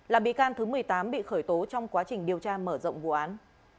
là bị can thứ một mươi tám bị khởi tố trong quá trình điều tra mở rộng vụ án